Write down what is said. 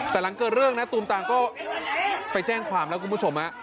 แต่หลังเกิดเรื่องนะตูมตามก็ไปแจ้งความแล้วคุณผู้ชม